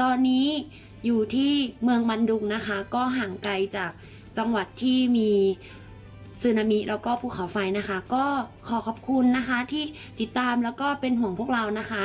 ตอนนี้อยู่ที่เมืองมันดุงนะคะก็ห่างไกลจากจังหวัดที่มีซึนามิแล้วก็ภูเขาไฟนะคะก็ขอขอบคุณนะคะที่ติดตามแล้วก็เป็นห่วงพวกเรานะคะ